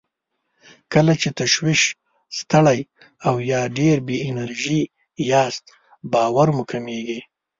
کله چې تشویش، ستړی او يا ډېر بې انرژي ياست باور مو کمېږي.